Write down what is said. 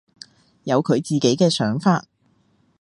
有佢自己嘅想法